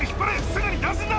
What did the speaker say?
すぐに出すんだ！